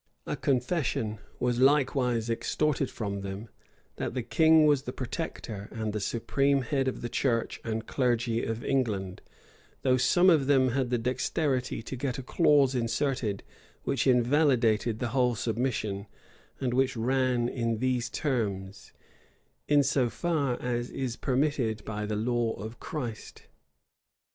[] A confession was likewise extorted from them, that the king was the protector and the supreme head of the church and clergy of England; though some of them had the dexterity to get a clause inserted, which invalidated the whole submission, and which ran in these terms: "in so far as is permitted by the law of Christ."